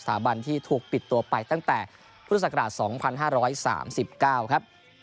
บันที่ถูกปิดตัวไปตั้งแต่พุทธศักราช๒๕๓๙ครับ